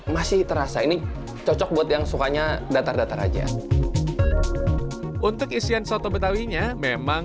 masih terasa ini cocok buat yang sukanya datar datar aja untuk isian soto betawinya memang